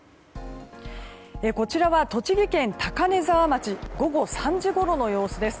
こちらは栃木県高根沢町午後３時ごろの様子です。